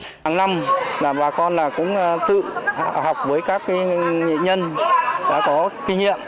hàng năm là bà con cũng tự học với các nghệ nhân đã có kinh nghiệm